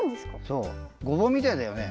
そうごぼうみたいだよね。